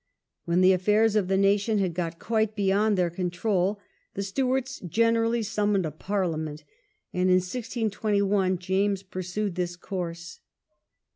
When the affairs of the nation had got quite beyond their control the Stewarts generally summoned a Parliament, and in 162 1 James pursued this course.